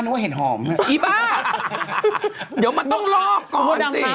เดี๋ยวมันต้องหลอกก่อนสิ